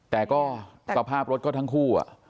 แต่ก็สภาพรถก็ทั้งคู่